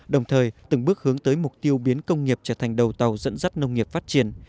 đồng thời từng bước hướng tới mục tiêu biến công nghiệp trở thành đầu tàu dẫn dắt nông nghiệp phát triển